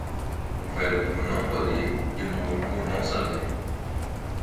o velho por não poder e o novo por não saber